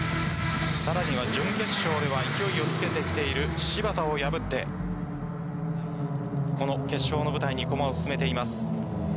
さらには準決勝では勢いをつけてきている芝田を破ってこの決勝の舞台に駒を進めています。